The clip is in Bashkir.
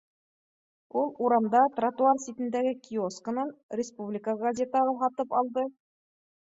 Ул урамда тротуар ситендәге киоскынан республика газетаһы һатып алды